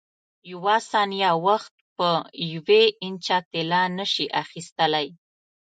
یوه ثانیه وخت په یوې انچه طلا نه شې اخیستلای.